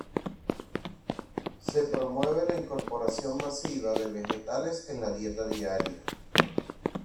Se promueve la incorporación masiva de vegetales en la dieta diaria.